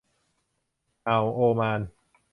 อ่าวโอมาน